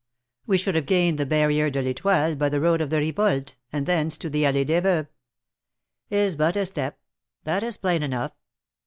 "We should have gained the Barrier de l'Étoile by the road of the Rivolte, and thence to the Allée des Veuves " "Is but a step; that is plain enough.